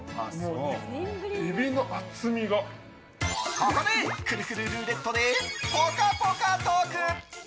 ここでくるくルーレットでぽかぽかトーク！